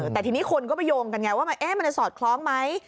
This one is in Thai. แต่ทีนี้คนก็ไปโยงกันไงว่ามันจะสอดคล้องไหม